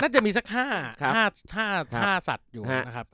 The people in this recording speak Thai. จะมีสัก๕สัตว์อยู่นะครับ